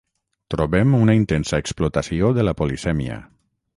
Trobem una intensa explotació de la polisèmia.